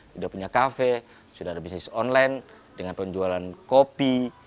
sudah punya kafe sudah ada bisnis online dengan penjualan kopi